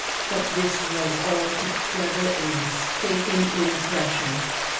But this was altogether a mistaken impression.